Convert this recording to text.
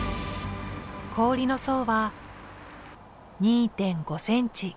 氷の層は２．５ｃｍ。